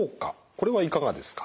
これはいかがですか？